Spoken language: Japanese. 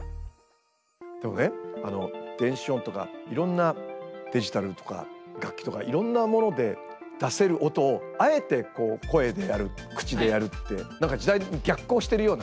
でもね電子音とかいろんなデジタルとか楽器とかいろんなもので出せる音をあえて声でやる口でやるって何か時代に逆行してるようなね。